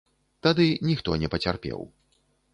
Тады ніхто не пацярпеў.